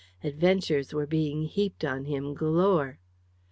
Adventures were being heaped on him galore.